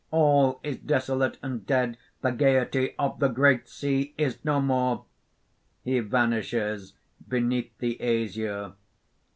All is desolate and dead; the gaiety of the great Sea is no more!" (_He vanishes beneath the azure.